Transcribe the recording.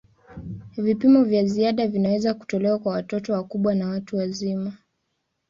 Vipimo vya ziada vinaweza kutolewa kwa watoto wakubwa na watu wazima.